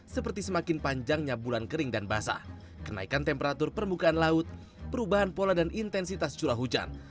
seperti semakin panjangnya bulan kering dan basah kenaikan temperatur permukaan laut perubahan pola dan intensitas curah hujan